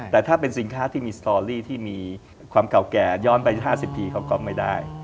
แต่ถ้าเป็นสินค้าที่มีสตอรี่ที่มีความเก่าแก่ย้อนไป๕๐ปีเขาก็ไม่ได้